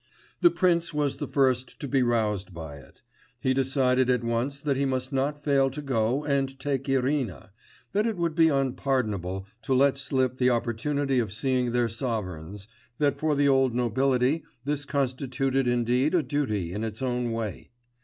The prince was the first to be roused by it; he decided at once that he must not fail to go and take Irina, that it would be unpardonable to let slip the opportunity of seeing their sovereigns, that for the old nobility this constituted indeed a duty in its own way.